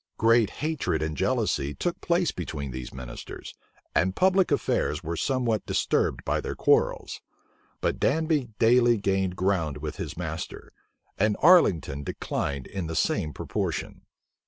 Great hatred and jealousy took place between these ministers; and public affairs were somewhat disturbed by their quarrels. But Danby daily gained ground with his master; and Arlington declined in the same proportion.